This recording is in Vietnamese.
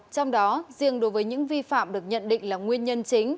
trong đó riêng đối với những vi phạm được nhận định là nguyên nhân chính